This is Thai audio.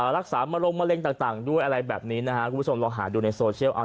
รักษามะลงมะเร็งต่างด้วยอะไรแบบนี้นะฮะคุณผู้ชมลองหาดูในโซเชียล